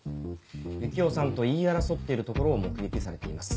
夕紀夫さんと言い争っているところを目撃されています。